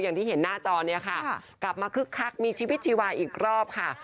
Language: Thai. อย่างที่เห็นหน้าจอเนี่ยค่ะกลับมาคึกคักมีชีวิตชีวาอีกรอบค่ะ